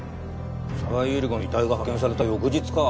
澤井百合子の遺体が発見された翌日か。